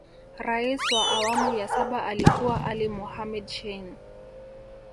Rais wa awamu ya saba alikuwa Ali Mohamed Shein